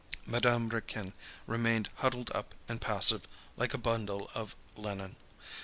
Madame Raquin remained huddled up and passive like a bundle of linen.